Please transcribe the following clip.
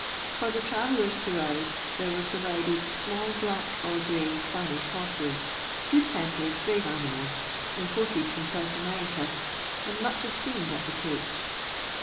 For the travellers to ride there were provided small black or grey Spanish horses, good tempered, brave animals, imported from South America, and much esteemed at the Cape.